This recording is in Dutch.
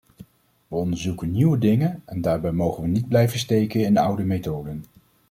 We onderzoeken nieuwe dingen en daarbij mogen we niet blijven steken in oude methoden.